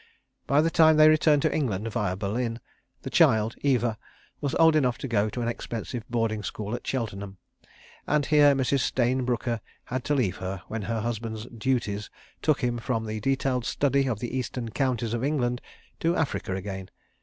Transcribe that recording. By the time they returned to England via Berlin, the child, Eva, was old enough to go to an expensive boarding school at Cheltenham, and here Mrs. Stayne Brooker had to leave her when her husband's "duties" took him, from the detailed study of the Eastern Counties of England, to Africa again.